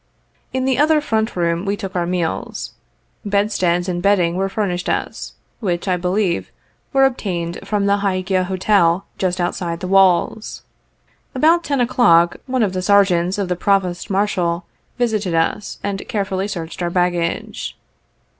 — In the other front room we took our meals. Bedsteads and bedding were furnished us, which, I believe, were obtained from the Hygeia Hotel, just outside the walls. About 10 o'clock one of the Sergeants of the Provost Marshal visited us, and carefully searched our baggage.